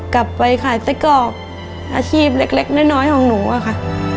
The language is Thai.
กลับไปขายไส้กรอกอาชีพเล็กน้อยของหนูอะค่ะ